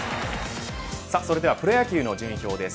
それではプロ野球の順位表です。